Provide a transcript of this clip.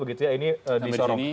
ini di sorong